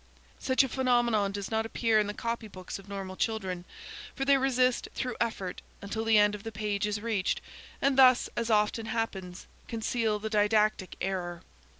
Such a phenomenon does not appear in the copy books of normal children, for they resist, through effort, until the end of the page is reached, and, thus, as often happens, conceal the didactic error.